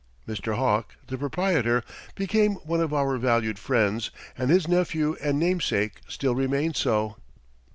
Mr. Hawk, the proprietor, became one of our valued friends and his nephew and namesake still remains so.